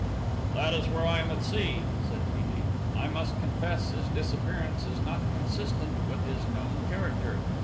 "That is where I am at sea," said T. B. "I must confess his disappearance is not consistent with his known character.